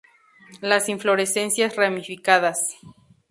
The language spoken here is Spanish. Las inflorescencias ramificadas.